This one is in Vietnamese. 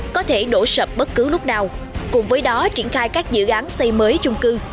có thể đổ sập bất cứ lúc nào cùng với đó triển khai các dự án xây mới chung cư